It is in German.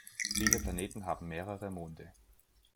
Viele Planeten haben mehrere Monde.